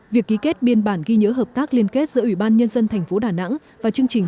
việc ký kết biên bản ghi nhớ hợp tác liên kết giữa ủy ban nhân dân thành phố đà nẵng và chương trình